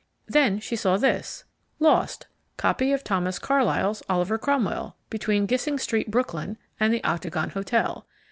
Then she saw this: LOST Copy of Thomas Carlyle's "Oliver Cromwell," between Gissing Street, Brooklyn, and the Octagon Hotel.